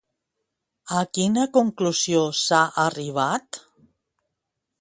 A quina conclusió s'ha arribat?